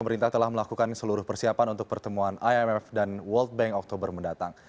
pemerintah telah melakukan seluruh persiapan untuk pertemuan imf dan world bank oktober mendatang